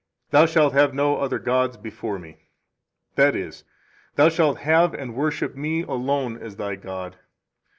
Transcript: Thou shalt have no other gods before Me. 1 That is: Thou shalt have [and worship] Me alone as thy God.